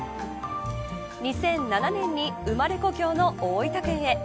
２００７年に生まれ故郷の大分県へ。